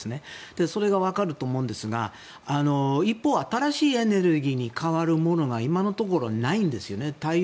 それがわかると思うんですが一方、新しいエネルギーに代わるものが今のところないんですよね。